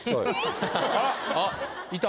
あらいた。